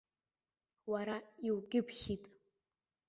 Уара иукьыԥхьит!